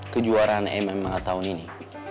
kejuaraan mma tahun ini